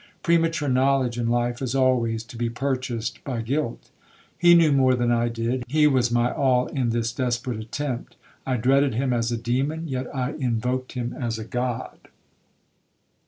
Premature knowledge in life is always to be purchased by guilt. He knew more than I did,—he was my all in this desperate attempt. I dreaded him as a demon, yet I invoked him as a god.